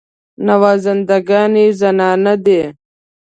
نوازنده ګان یې زنانه دي.